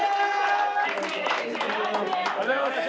ありがとうございます。